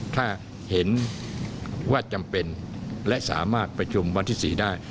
ถ้าเห็นว่าจำเป็นและสามารถประชุมวันที่๔ได้